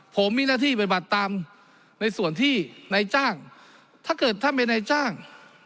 ผมมีหน้าที่ปฏิบัติตามในส่วนที่นายจ้างถ้าเกิดท่านเป็นนายจ้าง